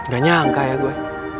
gak nyangka ya gue